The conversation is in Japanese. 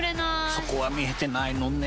そこは見えてないのね。